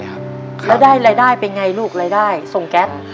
แล้วได้รายได้เป็นไงลูกรายได้ส่งแก๊ส